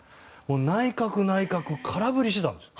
内角、内角空振りしてたんですよ。